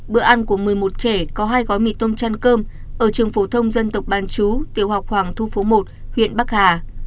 bữa ăn của một mươi một trẻ có hai gói mì tôm chăn cơm ở trường phổ thông dân tộc bán chú tiểu học hoàng thu phố một huyện bắc hà